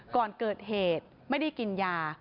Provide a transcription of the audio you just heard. ก่อนเกิดเหตุไม่ได้กินยา